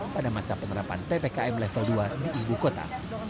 pada masa penerapan ppkm level dua di ibu kota